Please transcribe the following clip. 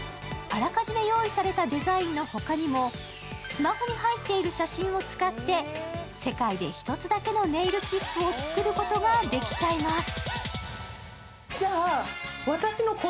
あらかじめ用意されたデザインの他にもスマホに入っている写真を使って世界で１つだけのネイルチップを作ることができちゃいます。